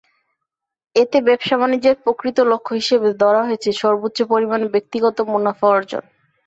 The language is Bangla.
এতে ব্যবসা-বাণিজ্যের প্রকৃত লক্ষ্য হিসেবে ধরা হয়েছে সর্বোচ্চ পরিমাণ ব্যক্তিগত মুনাফা অর্জন।